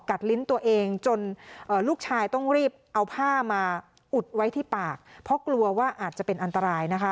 ลิ้นตัวเองจนลูกชายต้องรีบเอาผ้ามาอุดไว้ที่ปากเพราะกลัวว่าอาจจะเป็นอันตรายนะคะ